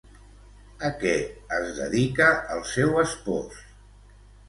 A què es dedica el seu espòs?